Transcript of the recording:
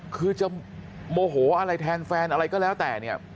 คือจะโมโหอะไรแทนแฟนอะไรก็แล้วแต่เนี่ย